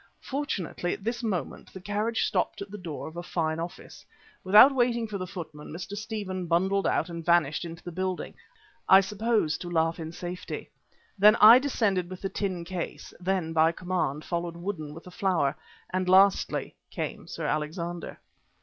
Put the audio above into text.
Fortunately, at this moment the carriage stopped at the door of a fine office. Without waiting for the footman Mr. Stephen bundled out and vanished into the building I suppose to laugh in safety. Then I descended with the tin case; then, by command, followed Woodden with the flower, and lastly came Sir Alexander.